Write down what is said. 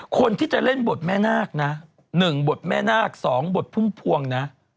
คนที่จะเล่นบทแม่นาคนะ๑บทแม่นาค๒บทพุ่มพวงนะ